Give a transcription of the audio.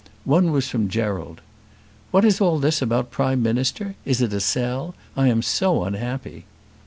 One was from Gerald. "What is all this about Prime Minister? Is it a sell? I am so unhappy."